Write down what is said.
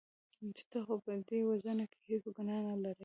چې ته خو په دې وژنه کې هېڅ ګناه نه لرې .